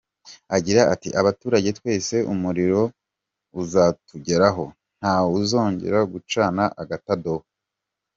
Agira ati “Abaturage twese umuriro uzatugeraho, nta wuzongera gucana agatadowa.